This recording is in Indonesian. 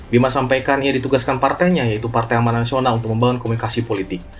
bima sampaikan ia ditugaskan partainya yaitu partai amanat nasional untuk membangun komunikasi politik